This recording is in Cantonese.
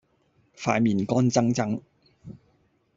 塊面乾爭爭